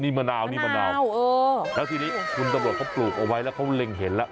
นี่มะนาวนี่มะนาวเออแล้วทีนี้คุณตำรวจเขาปลูกเอาไว้แล้วเขาเล็งเห็นแล้ว